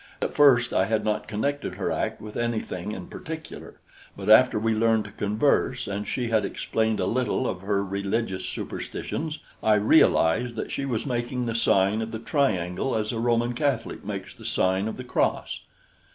At first I had not connected her act with anything in particular, but after we learned to converse and she had explained a little of her religious superstitions, I realized that she was making the sign of the triangle as a Roman Catholic makes the sign of the cross.